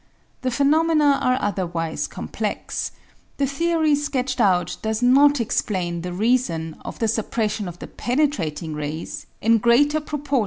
The phenomena are otherwise complex ; the theory sketched out does not explain the reason of the suppression of the penetrating rays in greater proportion than the absorbable rays.